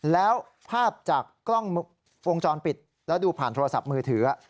แล้วภาพจากกล้องวงจรปิดแล้วดูผ่านโทรศัพท์มือถือ